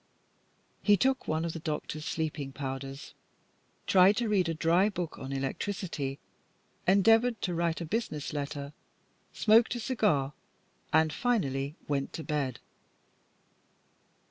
He took one of the doctor's sleeping powders, tried to read a dry book on electricity, endeavoured to write a business letter, smoked a cigar, and finally went to bed.